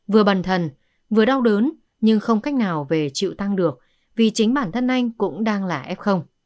vừa bần thần vừa đau đớn nhưng không cách nào về chịu tăng được vì chính bản thân anh cũng đang là f